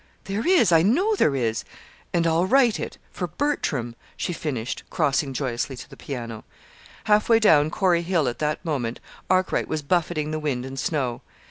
"There is I know there is; and I'll write it for Bertram," she finished, crossing joyously to the piano. Half way down Corey Hill at that moment, Arkwright was buffeting the wind and snow.